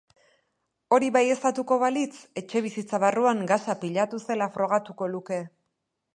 Hori baieztatuko balitz, etxebizitza barruan gasa pilatu zela frogatuko luke.